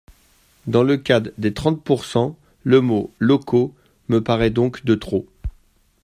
Dans le cadre des trentepourcent, le mot « locaux » me paraît donc de trop.